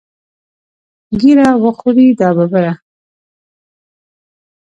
ږیره وخورې دا ببره.